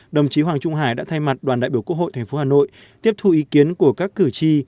đồng chí hoàng trung hải đã thay mặt đoàn đại biểu quốc hội tp hà nội tiếp thu ý kiến của các cử tri